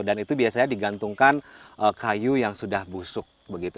dan itu biasanya digantungkan kayu yang sudah busuk begitu